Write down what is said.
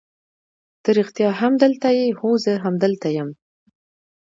ته رښتیا هم دلته یې؟ هو زه همدلته یم.